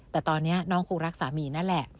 แต่ตอนนี้น้องคงรักสามีนั่นแหละ